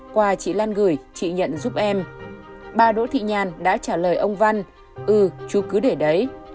qua chị lan gửi chị nhận giúp em bà đỗ thị nhàn đã trả lời ông văn ư chú cứ để đấy